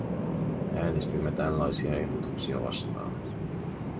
Äänestimme tällaisia ehdotuksia vastaan.